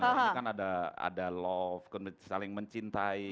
ini kan ada love saling mencintai